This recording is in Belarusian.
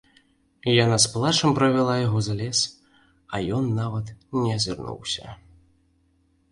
Яна з плачам правяла яго за лес, а ён нават не азірнуўся.